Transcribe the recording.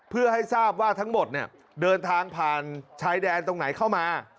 เพื่อให้ทราบว่าทั้งหมดเนี่ยเดินทางผ่านชายแดนตรงไหนเข้ามา